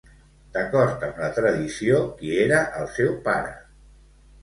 D'acord amb la tradició, qui era el seu pare?